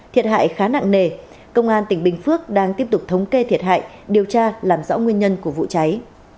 thiệt hại khá nặng nề công an tỉnh bình phước đang tiếp tục thống kê thiệt hại điều tra làm rõ nguyên nhân của vụ cháy